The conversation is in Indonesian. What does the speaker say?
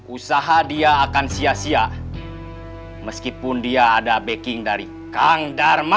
usaha dia akan sia sia meskipun dia ada backing dari kang dharma